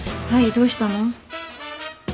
どうしたの？